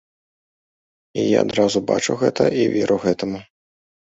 І я адразу бачу гэта і веру гэтаму.